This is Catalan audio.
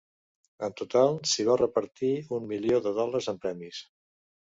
En total, s’hi va repartir un milió de dòlars en premis.